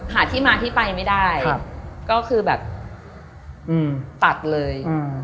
หาที่มาที่ไปไม่ได้ก็คือแบบตัดเลย